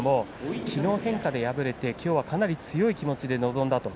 きのう変化で敗れてきょうは、かなり強い気持ちで臨んだと。